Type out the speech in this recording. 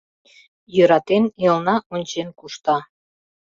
Йӧратен, элна ончен кушта.